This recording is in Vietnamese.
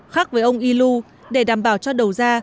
khác với ông y lu để đảm bảo cho đầu gia